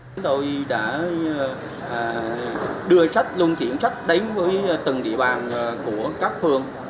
chúng tôi đã đưa sách lung chuyển sách đến với từng địa bàn của các phương